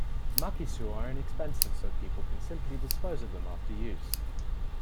Makisu are inexpensive so people can simply dispose of them after use.